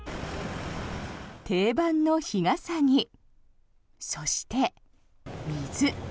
定番の日傘に、そして水。